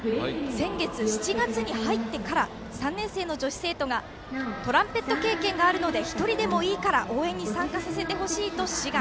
先月、７月に入ってから３年生の女子生徒がトランペット経験があるので１人でもいいから応援に参加させて欲しいと志願。